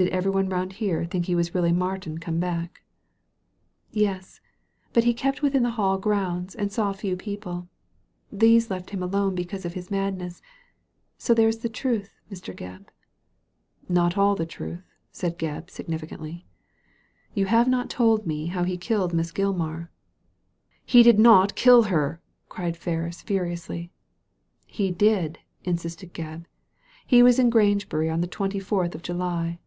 ''Did every one round here think he was really Martin come back ?" "Yes. But he kept within the Hall grounds, and saw few people. These left him alone because of his madness. So there is the truth, Mr. Gebb.'' " Not all the truth," said Gebb, significantly. *• You have not told me how he killed Miss Gilmar." " He did not kill her !" cried Ferris, furiously. '• He did I " insisted Gebb. " He was in Grange bury on the twenty fourth of July."